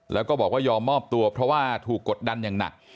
แล้วก็บอกว่ายอมมอบตัวเพราะว่าถูกกดดันอย่างหนัก